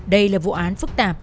đây là vụ án phức tạp